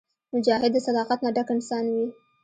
مجاهد د صداقت نه ډک انسان وي.